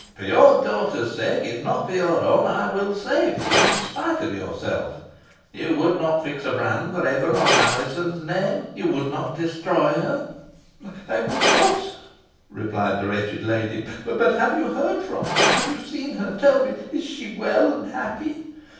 For your daughter's sake, if not for your own, I will save you, in spite of yourself. You would not fix a brand for ever on Alizon's name; you would not destroy her?" "I would not," replied the wretched lady. "But have you heard from her have you seen her? Tell me, is she well and happy?"